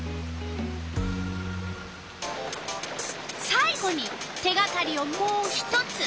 さい後に手がかりをもう一つ。